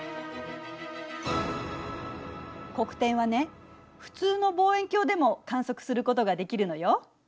黒点はね普通の望遠鏡でも観測することができるのよ。